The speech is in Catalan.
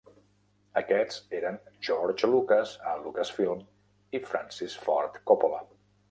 Aquests eren George Lucas a Lucasfilm i Francis Ford Coppola.